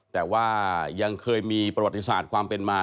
แต่ว่ายังเคยมีประวัติศาสตร์ความเป็นมา